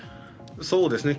そうですね。